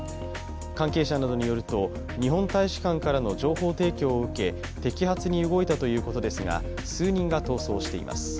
関係者などによると、日本大使館からの情報提供を受け、摘発に動いたということですが、数人が逃走しています。